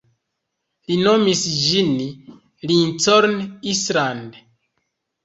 Li nomis ĝin Lincoln Island.